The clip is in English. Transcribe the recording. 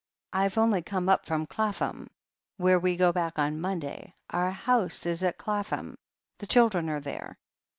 "Fve only come up from Clapham, where we go back on Monday. Our house is at Clapham. The children are there."